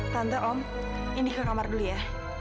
tante om ini ke kamar dulu ya